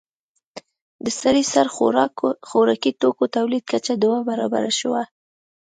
د سړي سر خوراکي توکو تولید کچه دوه برابره شوه.